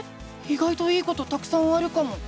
いがいといいことたくさんあるかも！